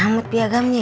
amat piagamnya ya